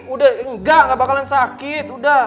udah gak bakalan sakit